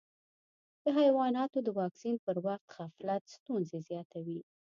د حیواناتو د واکسین پر وخت غفلت ستونزې زیاتوي.